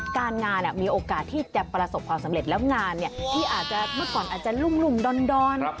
การงานมีโอกาสที่จะประสบความสำเร็จแล้วงานที่อาจจะเมื่อก่อนอาจจะลุ่มดอน